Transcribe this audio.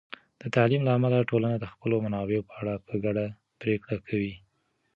د تعلیم له امله، ټولنه د خپلو منابعو په اړه په ګډه پرېکړه کوي.